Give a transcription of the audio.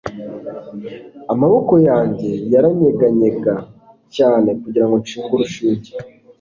amaboko yanjye yaranyeganyega cyane kugirango nshinge urushinge